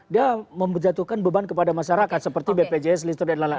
dia menjatuhkan beban kepada masyarakat seperti bpjs lister dan lain lain